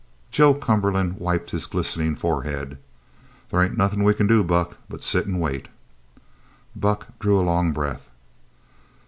Joe Cumberland wiped his glistening forehead. "There ain't nothin' we c'n do, Buck, but sit an' wait." Buck drew a long breath.